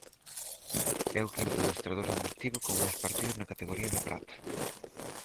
É o quinto adestrador en activo con máis partidos na categoría de prata.